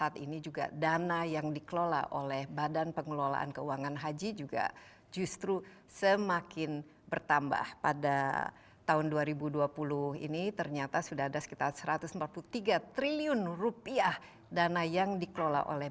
tahun dua ribu dua puluh ini ternyata sudah ada sekitar satu ratus empat puluh tiga triliun rupiah dana yang dikelola oleh